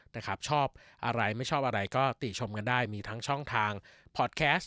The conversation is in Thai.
แต่ครับชอบอะไรไม่ชอบอะไรก็ติชมกันได้มีทั้งช่องทางพอดแคสต